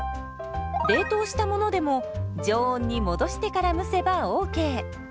冷凍したものでも常温に戻してから蒸せばＯＫ。